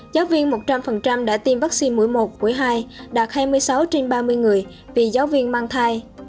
giáo viên một trăm linh đã tiêm vắc xin mũi một mũi hai đạt hai mươi sáu trên ba mươi người vì giáo viên mang thai